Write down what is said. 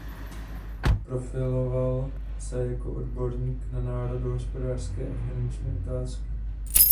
Profiloval se jako odborník na národohospodářské a finanční otázky.